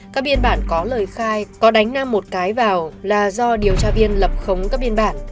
các biên bản có lời khai có đánh nam một cái vào là do điều tra viên lập khống các biên bản